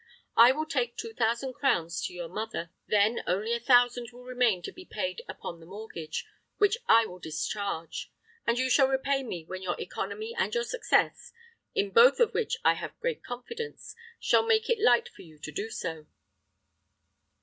I will take two thousand crowns to your mother. Then only a thousand will remain to be paid upon the mortgage, which I will discharge; and you shall repay me when your economy and your success, in both of which I have great confidence, shall make it light for you to do so."